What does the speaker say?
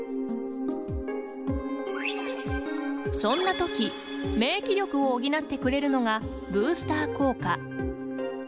そんなとき、免疫力を補ってくれるのがブースター効果。